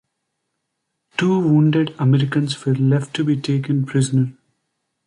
Two wounded Americans were left to be taken prisoner.